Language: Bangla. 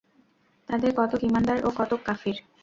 তাদের কতক ঈমানদার ও কতক কাফির।